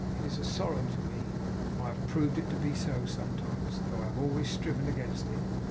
It is a sorrow to me. I have proved it to be so sometimes, though I have always striven against it.